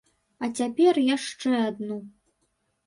А цяпер яшчэ адну.